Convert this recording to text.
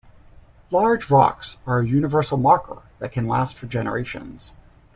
Large rocks are a universal marker that can last for generations.